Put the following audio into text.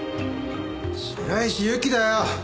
白石由紀だよ。